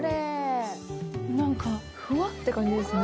何かふわって感じですね。